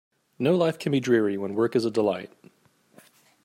No life can be dreary when work is a delight.